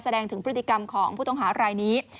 แสดงถึงพฤติกรรมของผู้ต้องหารายนี้